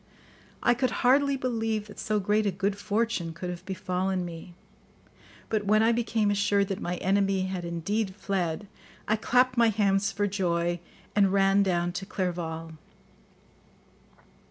I could hardly believe that so great a good fortune could have befallen me, but when I became assured that my enemy had indeed fled, I clapped my hands for joy and ran down to Clerval.